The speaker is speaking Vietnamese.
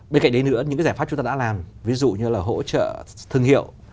bên cạnh đấy nữa những cái giải pháp chúng ta đã làm ví dụ như là hỗ trợ thương hiệu